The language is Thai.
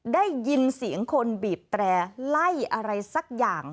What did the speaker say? ได้ยินเสียงคนบีบแตร่ไล่อะไรสักอย่าง